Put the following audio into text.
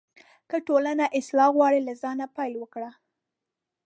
که ټولنه اصلاح غواړې، له ځانه پیل وکړه.